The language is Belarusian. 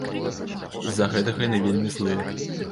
З-за гэтага яны вельмі злыя.